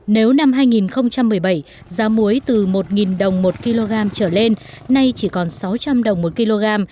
nếu năm hai nghìn một mươi bảy giá muối từ một đồng một kg trở lên nay chỉ còn sáu trăm linh đồng một kg